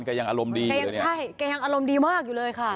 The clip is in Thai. เขายังอารมณ์ดีอยู่เลยค่ะ